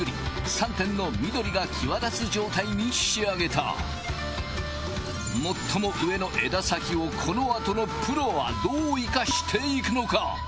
３点の緑が際立つ状態に仕上げた最も上の枝先をこのあとのプロはどう生かしていくのか？